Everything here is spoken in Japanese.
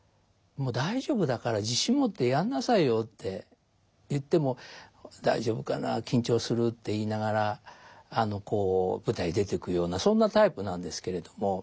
「もう大丈夫だから自信持ってやんなさいよ」って言っても「大丈夫かな？緊張する」って言いながらこう舞台出ていくようなそんなタイプなんですけれども。